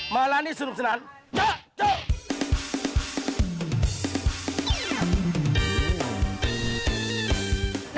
มาร้านที่สนุกสนานโจโจ